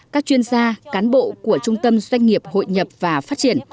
các chuyên gia cán bộ của trung tâm doanh nghiệp hội nhập và phát triển